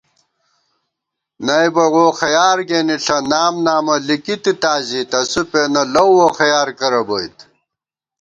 نئیبہ ووخیار گېنِݪہ نام نامہ لِکِتِتا زِی تسُو پېنہ لَؤ ووخَیار کرہ بوئیت